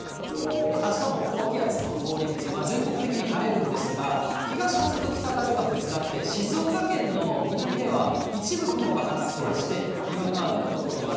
あしたも高気圧の通り道で、全国的に晴れるんですが、東風と北風がぶつかって、静岡県の南では一部雲が発生して、にわか雨の所もある。